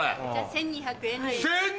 １２００円！